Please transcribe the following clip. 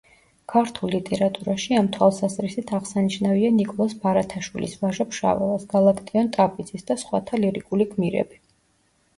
ქართულ ლიტერატურაში ამ თვალსაზრისით აღსანიშნავია ნიკოლოზ ბარათაშვილის, ვაჟა-ფშაველას, გალაკტიონ ტაბიძის და სხვათა ლირიკული გმირები.